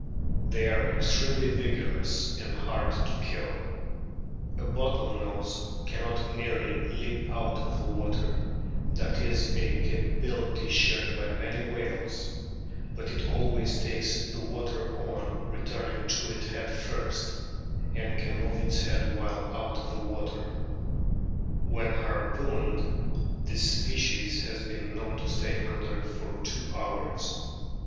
They are extremely vigorous and hard to kill ; a " Bottlenose " can not merely leap out of the water that is a capability shared by many whales but it always takes the water on returning to it head first, and can move its head while out of the water. When harpooned this species has been known to stay under for two hours.